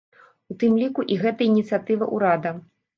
У тым ліку і гэтая ініцыятыва ўрада.